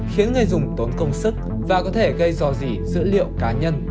khiến người dùng tốn công sức và có thể gây do gì dữ liệu cá nhân